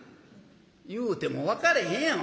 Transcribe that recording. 「言うても分かれへんやん。